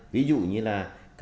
ví dụ như là